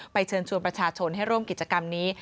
เชิญชวนประชาชนให้ร่วมกิจกรรมนี้